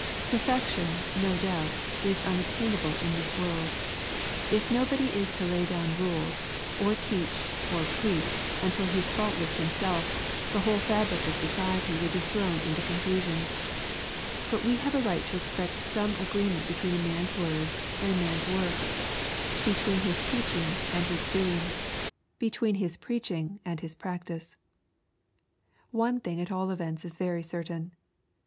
Perfection, no doubt, is unattainable in this world. If nobody is to lay down rules, or teach, or preach, until he is faultless himself, the whole fabric of society would be thrown into confusion But we have a right to expect some agreement between a man's words and a man's 52 EXPOSITORY THODaHT». work ,— between his teaching and his doing, — between his preaching and his practice. One thing at all events 18 very certain.